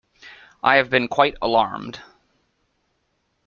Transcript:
I have been quite alarmed.